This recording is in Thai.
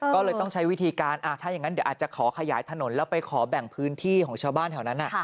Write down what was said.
ก็เลยต้องใช้วิธีการถ้าอย่างนั้นเดี๋ยวอาจจะขอขยายถนนแล้วไปขอแบ่งพื้นที่ของชาวบ้านแถวนั้น